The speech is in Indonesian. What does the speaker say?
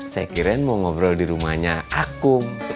saya kira mau ngobrol di rumahnya aku